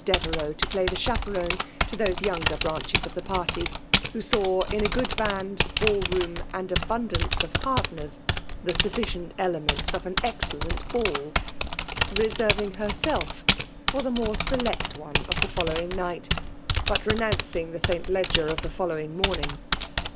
.Devwctix* to play the chaperon to jthOse younger bratidmi <yf ithe "party, who saw ia a *good band; biill^ room, und* abundance ef partner^, the stfAeidrit etemehttf of an exceRent ball; resenting hg^ self for the more select one of the fcdlowiag ni^ht, but arenonncin'g the St. Leger of 1^ blowing morning.